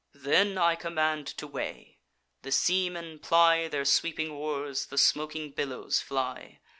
Then I command to weigh; the seamen ply Their sweeping oars; the smoking billows fly.